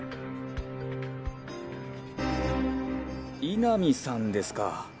井波さんですか。